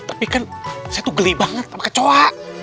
tapi kan saya tuh geli banget sama kecoa